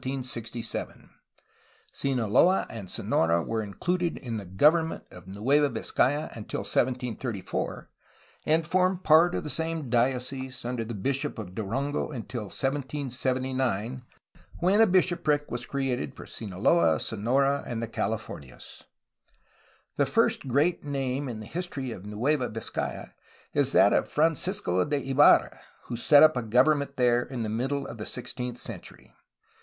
Sinaloa • and Sonora were included in the government of Nueva Vizcaya until 1734, and formed part of the same diocese under the bishop of Durango until 1779, when a bishopric was created for Sinaloa, Sonora, and the CaUfornias. The first great name in the history of Nueva Vizcaya is that of Francisco de Ibarra, who set up a government there in the middle of the sixteenth century.